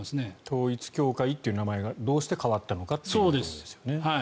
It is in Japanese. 統一教会という名前がどうして変わったのかということですよね。